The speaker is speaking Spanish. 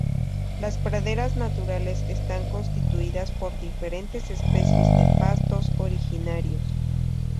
Las praderas naturales están constituidas por diferentes especies de pastos originarios.